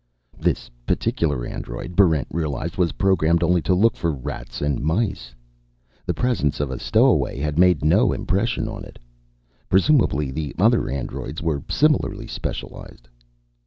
This particular android, Barrent realized, was programmed only to look for rats and mice. The presence of a stowaway had made no impression on it. Presumably the other androids were similarly specialized.